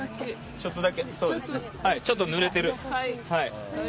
ちょっとぬれてる。